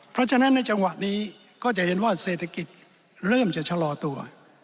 เพราะฉะนั้นในจังหวะนี้ก็จะเห็นว่าเศรษฐกิจเริ่มจะชะลอตัว